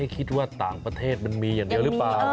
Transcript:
ไม่ได้คิดว่าต่างประเทศมันมีอย่างนี้หรือเปล่า